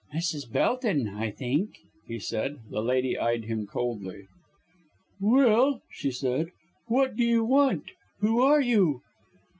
"Mrs. Belton, I think," he said. The lady eyed him coldly. "Well!" she said, "what do you want? Who are you?"